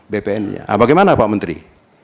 bpn nya bagaimana pak menteri